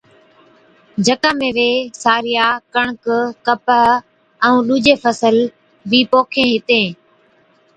جڪا ۾ وين سارِيا، ڪڻڪ، ڪپه ائُون ڏوجي فصل بِي پوکين هِتين۔